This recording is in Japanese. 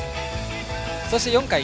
そして、４回。